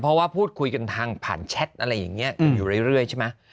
เพราะว่าพูดคุยกันทางผ่านแชทอะไรอย่างนี้กันอยู่เรื่อยใช่ไหม